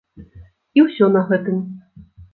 І ўсё на гэтым!